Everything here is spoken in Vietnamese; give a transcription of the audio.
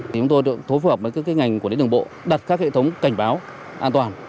thì chúng tôi thu hợp với các ngành của lĩnh đường bộ đặt các hệ thống cảnh báo an toàn